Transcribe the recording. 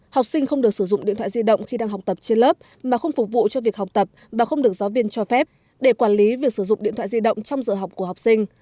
học sinh không được sử dụng điện thoại di động khi đang học tập trên lớp mà không phục vụ cho việc học tập và không được giáo viên cho phép để quản lý việc sử dụng điện thoại di động trong giờ học của học sinh